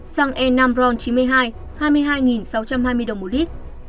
xăng e năm ron chín mươi hai hai mươi hai sáu trăm hai mươi đồng một lít